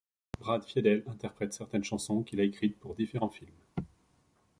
Brad Fiedel interprète certaines chansons qu'il a écrites pour différents films.